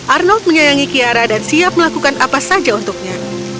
arnold menyayangi kiara dan siap melakukan apa saja untuknya